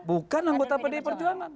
bukan anggota pdi perjuangan